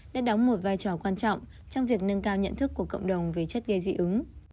đã đóng một vai trò quan trọng trong việc nâng cao nhận thức của cộng đồng về chất gây dị ứng